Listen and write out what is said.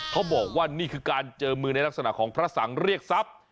เขาบอกว่านี่คือการเจอมือในลักษณะของพระสังเรียกทรัพย์